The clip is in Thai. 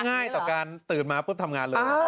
ก็ง่ายแต่ว่าการตื่นมาพรุ่งทำงานเลย